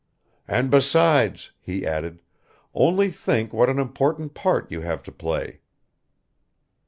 "And besides," he added, "only think what an important part you have to play."